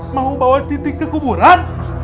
mau bawa titik ke kuburan